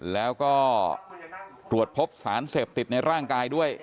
แล้วก็ตรวจพบสารเสพติดในร่างกายด้วย